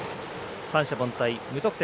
三者凡退、無得点